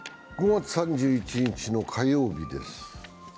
５月３１日の火曜日です。